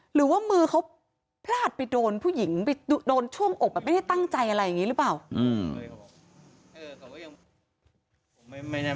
หรือว่ามือเขาพลาดไปโดนผู้หญิงไปโดนช่วงอกแบบไม่ได้ตั้งใจอะไรอย่างนี้หรือเปล่า